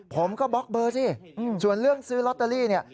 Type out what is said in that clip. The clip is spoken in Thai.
บล็อกเบอร์สิส่วนเรื่องซื้อลอตเตอรี่เนี่ย